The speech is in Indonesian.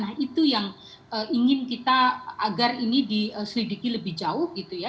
nah itu yang ingin kita agar ini diselidiki lebih jauh gitu ya